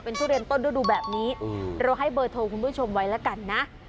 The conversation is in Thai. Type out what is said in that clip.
ทุเรียนต้นฤดูแบบนี้เราให้เบอร์โทรคุณผู้ชมไว้แล้วกันนะ